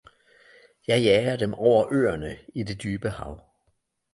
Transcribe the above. Jeg jager dem over øerne, i det dybe hav